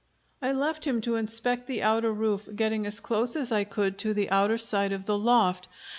I left him to inspect the outer roof, getting as close as I could to the outer side of the loft.